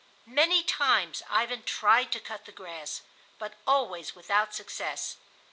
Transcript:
Many times Ivan tried to cut the grass, but always without success.